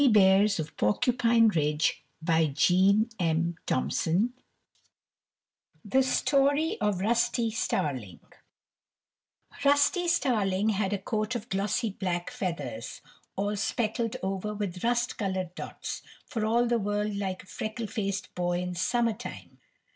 [Illustration: THE STORY OF RUSTY STARLING] XVI THE STORY OF RUSTY STARLING Rusty Starling had a coat of glossy black feathers, all speckled over with rust colored dots, for all the world like a freckle faced boy in summer time.